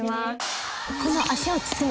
この足を包む